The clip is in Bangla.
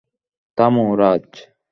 থামো, রাজ।